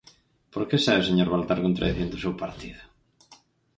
¿Por que sae o señor Baltar contradicindo o seu partido?